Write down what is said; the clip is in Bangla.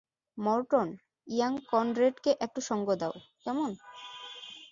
মরটন, ইয়াং কনরেডকে একটু সঙ্গ দাও, কেমন?